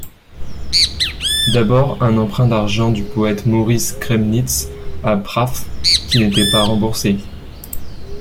D’abord un emprunt d’argent du poète Maurice Gremnitz à Prath, qui n’était pas remboursé.